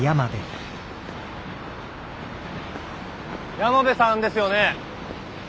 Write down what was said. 山辺さんですよね？